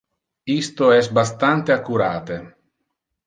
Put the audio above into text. Isto es bastante accurate.